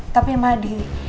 tapi mbak adi